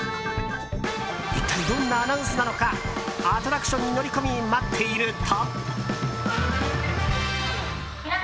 一体、どんなアナウンスなのかアトラクションに乗り込み待っていると。